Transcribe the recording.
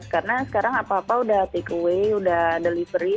karena sekarang apa apa udah take away udah delivery